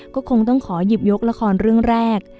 ก็คงต้องขอหยิบยกละครเรื่องแรก